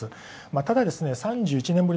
ただ３１年ぶり